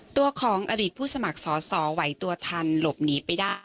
ตัวของอดีตผู้สมัครสอสอไหวตัวทันหลบหนีไปได้